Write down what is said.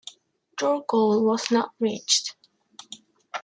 Your goal was not reached.